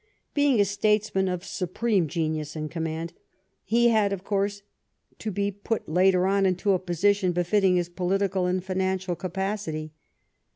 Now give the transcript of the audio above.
Being a statesman of supreme genius and command, he had, of course, to be put later on into a position befitting his political and financial capacity.